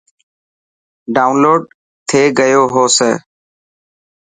ڊائون لوڊ ٿي گئي هو سي.